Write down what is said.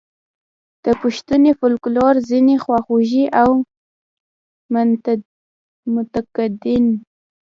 د پښتني فوکلور ځینې خواخوږي او منتقدین.